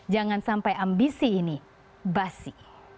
jangan sampai ambisi ini basi